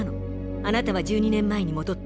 あなたは１２年前に戻った。